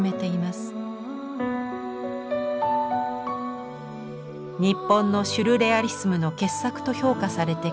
日本のシュルレアリスムの傑作と評価されてきたこの絵。